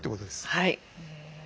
はい。